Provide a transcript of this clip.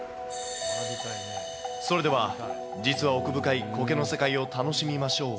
それでは、実は奥深いコケの世界を楽しみましょう。